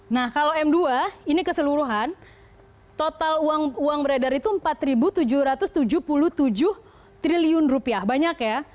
nah kalau m dua ini keseluruhan total uang beredar itu rp empat tujuh ratus tujuh puluh tujuh triliun rupiah banyak ya